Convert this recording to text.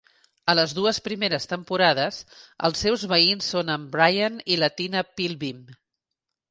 A les dues primeres temporades, els seus veïns són en Brian i la Tina Pillbeam.